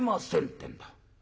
てんだ。